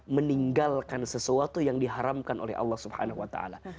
meninggalkan sesuatu yang diharamkan oleh allah swt